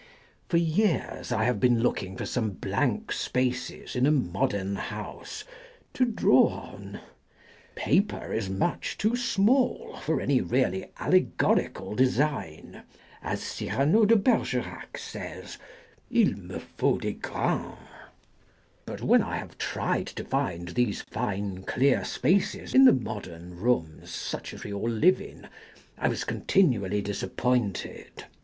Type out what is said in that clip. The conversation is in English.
For years I have been looking for some blank spaces in a modern house to draw on. Paper is much too small for any really alle gorical design ; as Cyrano de Bergerac says: " II me faut des grants." But when I tried to find these fine clear spaces in the modern rooms such as we all live in I was continually disappointed.